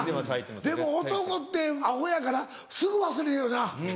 でも男ってアホやからすぐ忘れよるな。